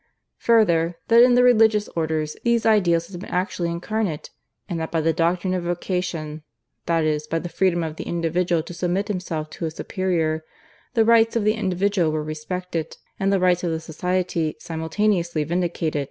Further, that in the Religious Orders these ideals had been actually incarnate; and that by the doctrine of Vocation that is by the freedom of the individual to submit himself to a superior the rights of the individual were respected and the rights of the Society simultaneously vindicated.